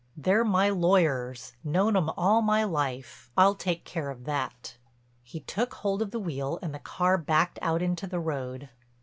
They're my lawyers—known 'em all my life. I'll take care of that." He took hold of the wheel and the car backed out into the road.